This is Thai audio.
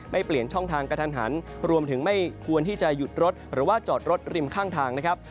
เปลี่ยนช่องทางกระทันหันรวมถึงไม่ควรที่จะหยุดรถหรือว่าจอดรถริมข้างทางนะครับ